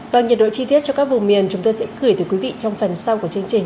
vâng nhiệt độ chi tiết cho các vùng miền chúng tôi sẽ gửi tới quý vị trong phần sau của chương trình